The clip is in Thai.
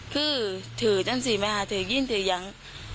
คือถือ๔มหาถือยิ้นถือยัง